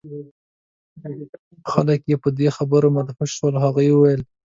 خلک یې په دې خبرو مدهوش شول. هغوی وویل: